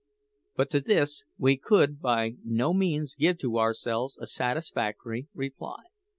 But to this we could by no means give to ourselves a satisfactory reply.